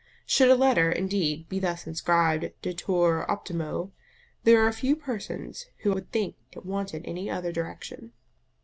Should a letter, indeed, be thus inscribed, DETUR OPTIMO, there are few persons who would think it wanted any other direction.